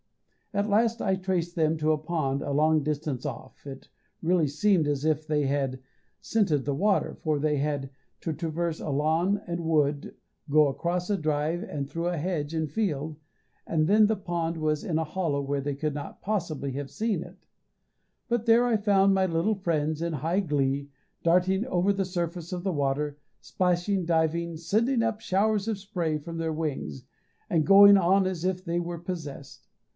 At last I traced them to a pond a long distance off it really seemed as if they had scented the water, for they had to traverse a lawn and wood, go across a drive, and through a hedge and field, and then the pond was in a hollow where they could not possibly have seen it; but there I found my little friends in high glee, darting over the surface of the water, splashing, diving, sending up showers of spray from their wings, and going on as if they were possessed.